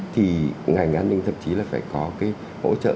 thì ngành an ninh thậm chí là phải có cái hỗ trợ